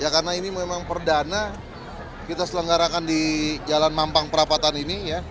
karena ini memang perdana kita selenggarakan di jalan mampang perapatan ini